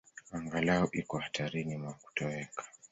Angalau iko hatarini mwa kutoweka.